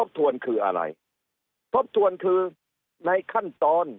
ทวนคืออะไรทบทวนคือในขั้นตอน